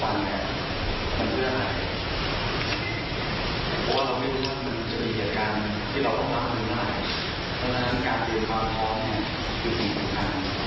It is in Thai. เพราะฉะนั้นการเกลียดความท้องมันก็คือสิ่งปัญญา